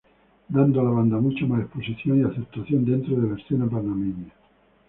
Dando a la banda mucho más exposición y aceptación dentro de la escena Panameña.